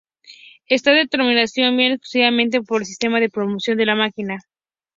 Esta denominación viene exclusivamente por el sistema de propulsión de la máquina.